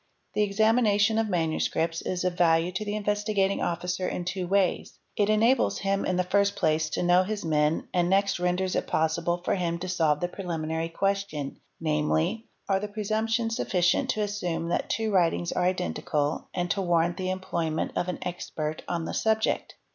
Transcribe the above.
The examination of manuscripts is of _ value to the Investigating Officer in two ways; it enables him in the first place to know his men and next renders it possible for him to solve _ the preliminary question, namely, ''are the presumptions sufficient to assume that two writings are identical and to warrant the employment _ of an expert on the subject?"